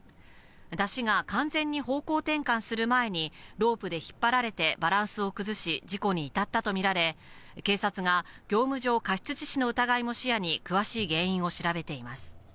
山車が完全に方向転換する前に、ロープで引っ張られてバランスを崩し、事故に至ったと見られ、警察が業務上過失致死の疑いも視野に、詳しい原因を調べています。